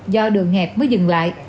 do đường hẹp mới dừng lại